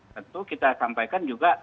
tentu kita sampaikan juga